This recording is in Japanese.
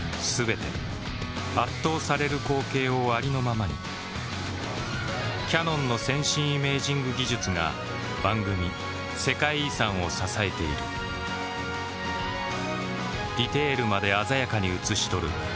全て圧倒される光景をありのままにキヤノンの先進イメージング技術が番組「世界遺産」を支えているディテールまで鮮やかに映し撮る